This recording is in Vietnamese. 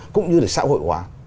cũng như để xã hội hóa